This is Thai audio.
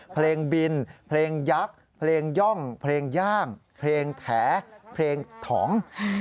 เพลงบินเพลงยักษ์เพลงย่องเพลงย่างเพลงแถเพลงถอง